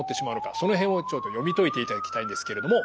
その辺をちょっと読み解いていただきたいんですけれども。